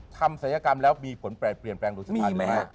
ทำศัยกรรมแล้วมีผลเปลี่ยนแปลงลูกชาติหรือไม่